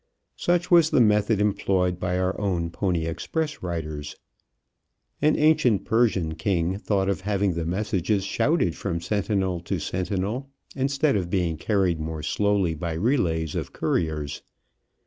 Such was the method employed by our own pony express riders. An ancient Persian king thought of having the messages shouted from sentinel to sentinel, instead of being carried more slowly by relays of couriers.